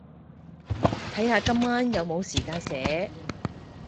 睇下今晚有冇時間寫